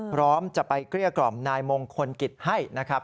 พร้อมจะไปเกลี้ยกล่อมนายมงคลกิจให้นะครับ